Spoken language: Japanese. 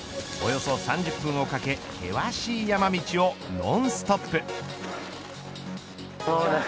およそ３０分をかけ険しい山道をノンストップ。